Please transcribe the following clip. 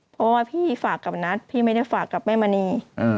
เพราะว่าพี่ฝากกับนัทพี่ไม่ได้ฝากกับแม่มณี